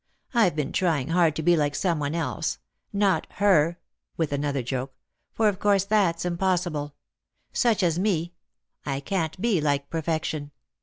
I've been trying hard to be like some one else. Not her I " with another jerk ;" for of course that's impossible. Such as me — I — can't be like perfection.